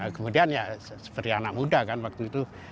kemudian ya seperti anak muda kan waktu itu